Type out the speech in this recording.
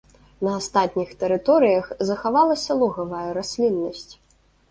На астатніх тэрыторыях захавалася лугавая расліннасць.